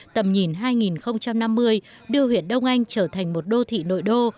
tầm nhìn hai nghìn năm mươi đưa huyện đông anh trở thành một đô thị nội đô